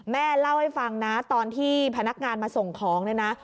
แม่เล่าให้ฟังนะตอนที่พนักงานมาส่งของเนี่ยนะ